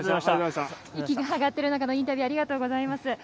息が上がっている中でのインタビューありがとうございます。